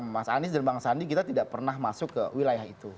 mas anies dan bang sandi kita tidak pernah masuk ke wilayah itu